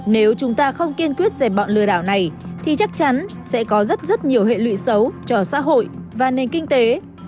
nếu chúng ta không kiên quyết dẹp bọn lừa đảo này thì chắc chắn sẽ có rất rất nhiều hệ lụy xấu cho xã hội và nền kinh tế